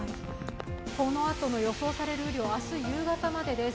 このあとの予想される雨量、明日夕方までです。